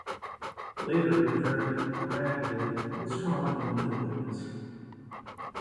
Later the variant Rangdid was common in the Middle Ages.